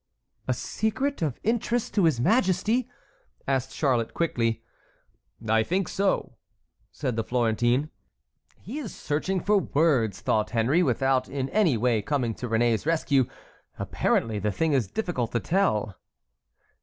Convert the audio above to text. "A secret of interest to his majesty?" asked Charlotte, quickly. "I think so," said the Florentine. "He is searching for words," thought Henry, without in any way coming to Réné's rescue. "Apparently the thing is difficult to tell."